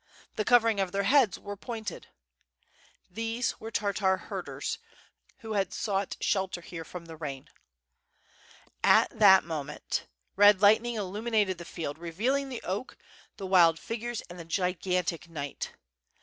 The covering of their heads were pointed. These were Tartar herders, who had sought shelter here from the rain. At that moment red lightning illumined the field, revealing the oak, the wild figures, and the gigantic knight.